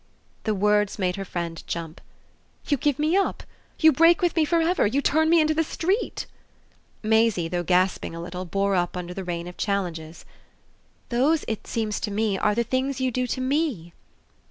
The words made her friend jump. "You give me up? You break with me for ever? You turn me into the street?" Maisie, though gasping a little, bore up under the rain of challenges. "Those, it seems to me, are the things you do to ME."